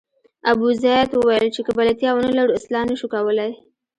ابوزید وویل چې که بلدتیا ونه لرو اصلاح نه شو کولای.